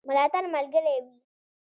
ملاتړ ملګری وي.